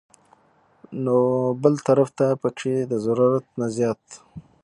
نو بل طرف ته پکښې د ضرورت نه زيات